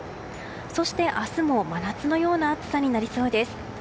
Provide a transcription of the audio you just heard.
そして明日も真夏のような暑さになりそうです。